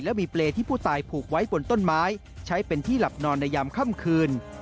และมีเปรย์ที่ผู้ตายผูกไว้บนต้นไม้ใช้เป็นที่หลับนอนในยามค่ำคืน